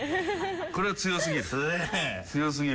これは強すぎる。